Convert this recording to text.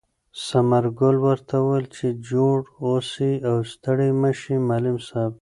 ثمر ګل ورته وویل چې جوړ اوسې او ستړی مه شې معلم صاحب.